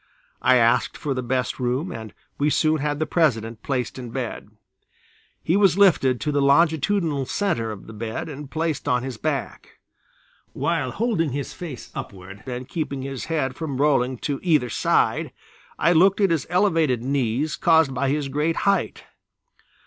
I asked for the best room and we soon had the President placed in bed. He was lifted to the longitudinal center of the bed and placed on his back. While holding his face upward and keeping his head from rolling to either side, I looked at his elevated knees caused by his great height.